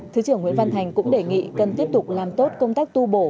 thứ trưởng nguyễn văn thành cũng đề nghị cần tiếp tục làm tốt công tác tu bổ